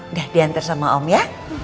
nggak diantar sama om ya